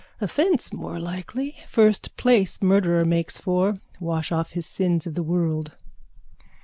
A fence more likely. First place murderer makes for. Wash off his sins of the world.